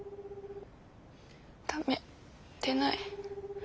駄目出ない。